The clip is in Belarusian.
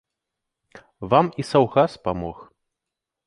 Вам і саўгас памог.